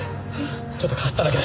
ちょっとかすっただけだ。